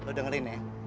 lo dengerin ya